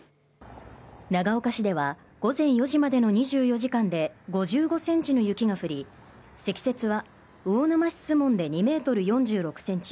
長岡市では午前４時までの２４時間で５５ｃｍの雪が降り積雪は魚沼市守門で２ｍ４６ｃｍ